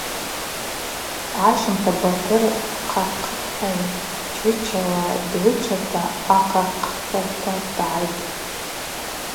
Ащымта Батыр хъахъыхыгӏв чгӏвычала дгӏвычата ахъахъыхырта дгӏайтӏ.